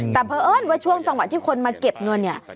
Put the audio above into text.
แต่เพราะเอิ้นว่าช่วงจังหวะที่คนมาเก็บเงินเนี่ย